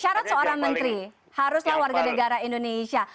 syarat seorang menteri haruslah warga negara indonesia